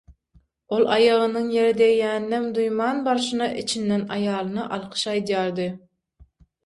Ol aýagynyň ýere degýäninem duýman barşyna içinden aýalyna alkyş aýdýardy.